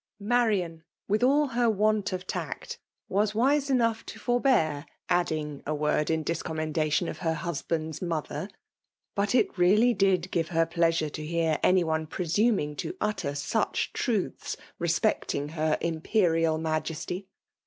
Marian, with all her want of tact, was wise enough to forbear adding a word in discom mendation of her husband's mother ; but it really did give her pleasure to hear any one presuming to utter such truths respecting her imperial majesty.